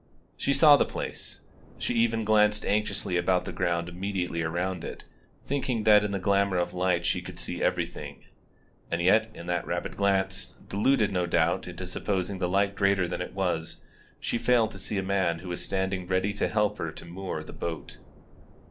She saw the place. She even glanced anxiously about the ground immediately around it, thinking that in the glamour of light she could see everything; and yet in that rapid glance, deluded, no doubt, into supposing the light greater than it was, she failed to see a man who was standing ready to help her to moor the boat.